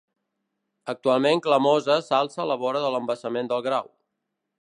Actualment Clamosa s'alça a la vora de l'embassament del Grau.